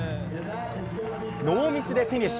ノーミスでフィニッシュ。